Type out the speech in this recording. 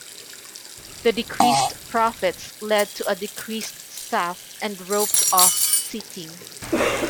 The decreased profits led to a decreased staff and roped off seating.